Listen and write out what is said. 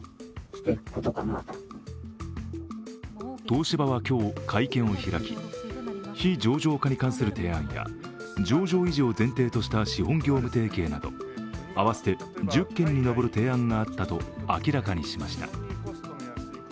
東芝は今日、会見を開き、非上場化に関する提案や上場維持を前提とした資本業務提携など合わせて１０件に上る提案があったと明らかにしました。